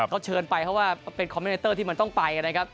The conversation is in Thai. ก็เชิญไปเพราะว่าเป็นคอมเมเตอร์ที่มันต้องไปนะครับ